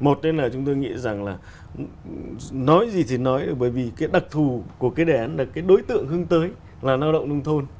một là chúng tôi nghĩ rằng là nói gì thì nói bởi vì cái đặc thù của cái đề án là cái đối tượng hướng tới là lao động nông thôn